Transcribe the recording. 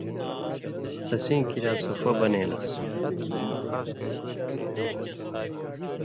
تسیں کریا صُفہ بنېلان٘س۔